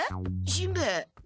しんべヱ？